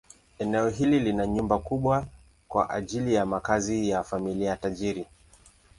Eneo hili lina nyumba kubwa kwa ajili ya makazi ya familia tajiri.